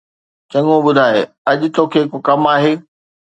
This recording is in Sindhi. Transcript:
چڱو، ٻڌاءِ، اڄ توکي ڪو ڪم آھي؟